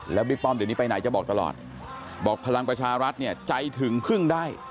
บิ๊กป้อมเดี๋ยวนี้ไปไหนจะบอกตลอดบอกพลังประชารัฐเนี่ยใจถึงพึ่งได้